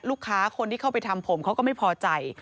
ลูกค้าคนที่เข้าไปทำผมเขาก็ไม่พอใจ